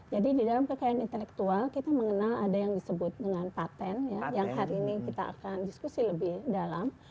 jadi di dalam kekayaan intelektual kita mengenal ada yang disebut dengan patent ya yang hari ini kita akan diskusi lebih dalam